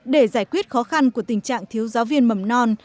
để giải quyết khó khăn của tình trạng thiếu giáo viên mầm non